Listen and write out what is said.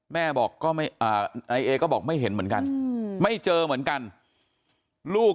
แม่บอกก็ไม่นายเอก็บอกไม่เห็นเหมือนกันไม่เจอเหมือนกันลูก